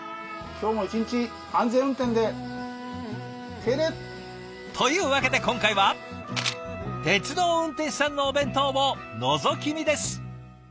今日も一日安全運転で敬礼！というわけで今回は鉄道運転士さんのお弁当をのぞき見です。